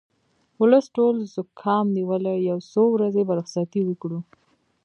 ولس ټول زوکام نیولی یو څو ورځې به رخصتي وکړو